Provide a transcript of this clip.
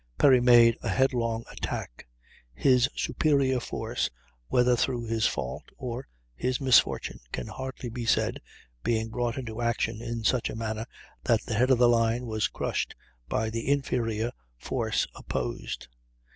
Perry made a headlong attack; his superior force, whether through his fault or his misfortune can hardly be said, being brought into action in such a manner that the head of the line was crushed by the inferior force opposed.